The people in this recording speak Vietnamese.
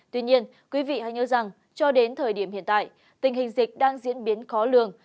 tuy nhiên quý vị hãy nhớ rằng cho đến thời điểm hiện tại tình hình dịch đang diễn biến khó lường